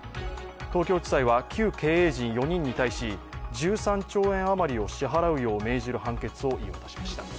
東京地裁は旧経営陣４人に対し１３兆円余りを支払うよう命じる判決を言い渡しました。